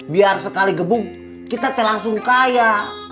biar sekali gebung kita teh langsung kaya